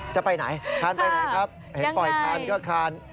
จะไปไหนทานไปไหนครับเห็นปล่อยทานก็คาน